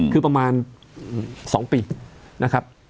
คือประมาณ๒ปีนะครับ